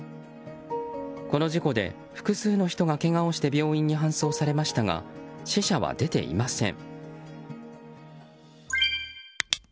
この事故で複数の人がけがをして病院に搬送されましたが死者は出ていません。